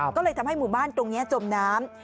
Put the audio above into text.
ก็เลยทำให้หมู่บ้านตรงนี้จมน้ำ